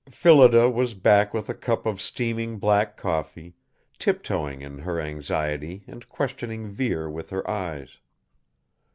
Phillida was back with a cup of steaming black coffee, tiptoeing in her anxiety and questioning Vere with her eyes.